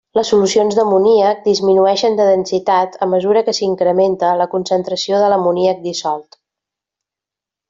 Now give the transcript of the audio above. Les solucions d’amoníac disminueixen de densitat a mesura que s’incrementa la concentració de l’amoníac dissolt.